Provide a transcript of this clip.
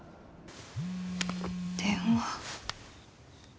電話。